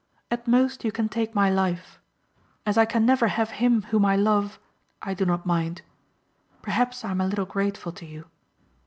"At most you can take my life. As I can never have him whom I love I do not mind. Perhaps I am a little grateful to you.